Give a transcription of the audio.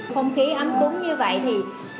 không khí ấm cúng như vậy thì